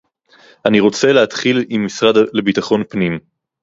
אני רוצה להתחיל עם המשרד לביטחון פנים